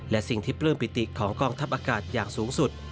และสิ่งที่ปลื้มปิติของกองทัพอากาศอย่างสูงสุด